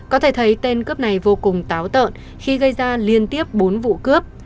có thể thấy tên cướp này vô cùng táo tợn khi gây ra liên tiếp bốn vụ cướp